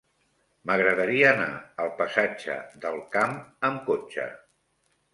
M'agradaria anar al passatge del Camp amb cotxe.